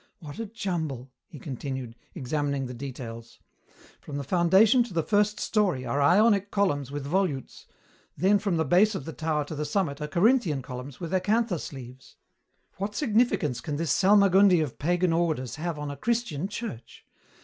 What a jumble," he continued, examining the details. "From the foundation to the first story are Ionic columns with volutes, then from the base of the tower to the summit are Corinthian columns with acanthus leaves. What significance can this salmagundi of pagan orders have on a Christian church?